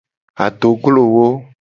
Adoglowo.